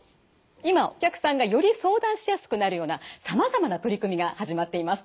今お客さんがより相談しやすくなるようなさまざまな取り組みが始まっています。